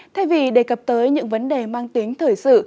thay vì đề cập tới những vấn đề mang tính thời sự